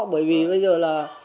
bởi vì bây giờ là